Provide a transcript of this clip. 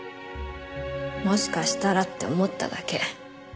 もしかしたらって思っただけ。